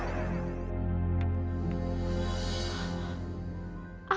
apa ini selesai ah